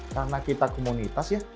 karena kita komunitas ya